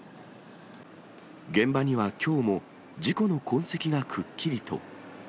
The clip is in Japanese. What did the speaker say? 現場にはきょうも、事故の痕跡がくっきりと。